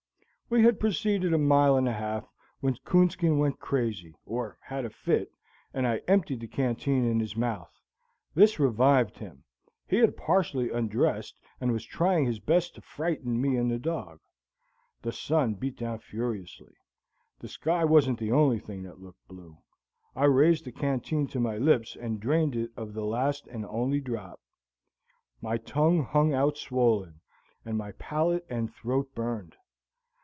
We had proceeded a mile and a half when Coonskin went crazy, or had a fit, and I emptied the canteen in his mouth. This revived him. He had partially undressed and was trying his best to frighten me and the dog. The sun beat down furiously; the sky wasn't the only thing that looked blue. I raised the canteen to my lips and drained it of the last and only drop. My tongue hung out swollen, and my palate and throat burned.